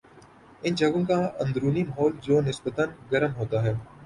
ان جگہوں کا اندرونی ماحول جو نسبتا گرم ہوتا ہے